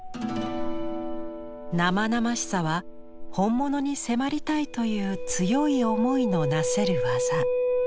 生々しさは本物に迫りたいという強い思いのなせるわざ。